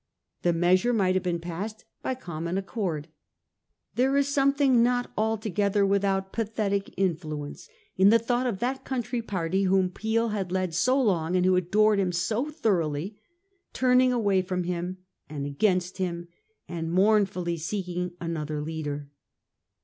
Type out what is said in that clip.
The measure might have been passed by common accord. There is something not altogether without pathetic influence in the thought of that country party whom Peel had led so long, and who adored him so thoroughly, turning away from him and against him and mournfully seeking another leader.